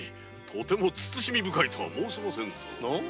とても慎み深いとは申せませんぞ。